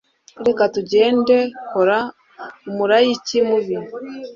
Reka tugende Kora umulayiki mubi